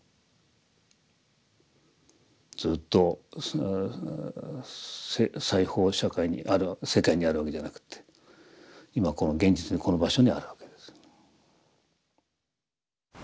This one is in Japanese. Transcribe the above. ずっと西方社会に世界にあるわけじゃなくて今この現実にこの場所にあるわけです。